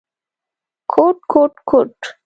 _کوټ، کوټ ، کوټ…